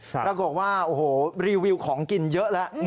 แล้วก็บอกว่าโอ้โหรีวิวของกินเยอะแล้ว